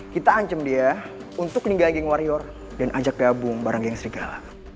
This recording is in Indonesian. kita ancam dia untuk ninggalin geng warior dan ajak gabung bareng geng serigala